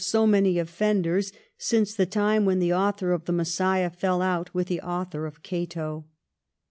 291 SO many offenders since the time when the author of * The Messiah ' fell out with the author of ' Cato.'